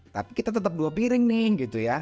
tapi kita tetap dua piring nih gitu ya